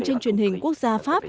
trên truyền hình quốc gia pháp